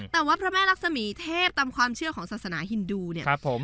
แต่ว่าพระแม่รักษมีเทพตามความเชื่อของศาสนาฮินดูเนี่ย